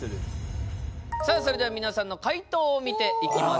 さあそれでは皆さんの解答を見ていきましょう。